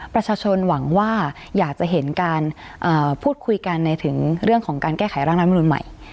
ประชาชนหวังว่าอยากจะเห็นการพูดคุยกันในถึงเรื่องของการแก้ไขร่างรัฐมนุนใหม่